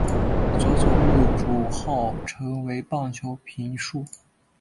佐佐木主浩成为棒球评述。